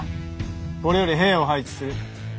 これより兵を配置する。